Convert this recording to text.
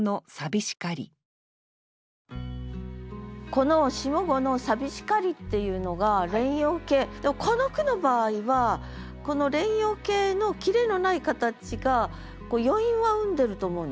この下五の「さびしかり」っていうのが連用形でもこの句の場合はこの連用形の切れのない形が余韻は生んでると思うんだ。